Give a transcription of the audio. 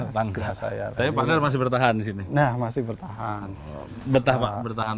tetangga saya tapi pak dar masih bertahan di sini nah masih bertahan bertahan pak bertahan